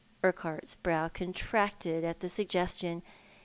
Urquhart's brow contracted at the suggestion.